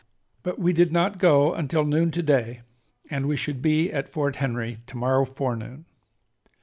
But we did not go until noon to day and we should be at Fort Henry to morrow forenoon.